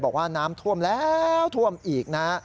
บอกว่าน้ำท่วมแล้วท่วมอีกนะฮะ